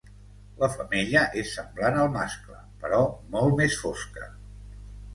La femella és semblant al mascle però molt més fosca.